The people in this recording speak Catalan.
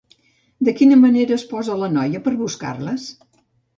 De quina manera es posa la noia per buscar-les?